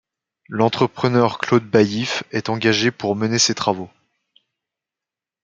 L'entrepreneur Claude Baillif est engagé pour mener ces travaux.